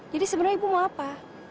jadi sebenarnya ibu mau apa